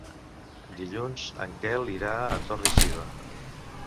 Dilluns en Quel irà a Torre-xiva.